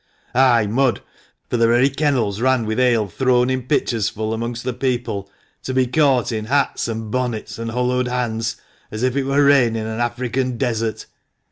Ay, mud, for the very kennels ran with ale thrown in pitchers full amongst the people, to be caught in hats, and bonnets, and hollowed hands, as if it were rain in an African desert.